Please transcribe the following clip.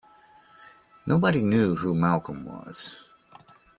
Nobody knew who Malcolm was.